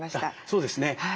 そうですね。